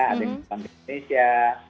ada yang di indonesia